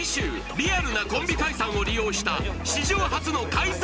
リアルなコンビ解散を利用した史上初の解散